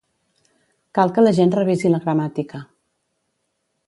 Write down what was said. Cal que la gent revisi la gramàtica.